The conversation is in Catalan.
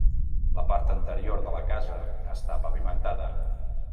La part anterior de la casa està pavimentada.